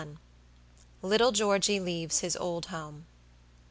LITTLE GEORGEY LEAVES HIS OLD HOME.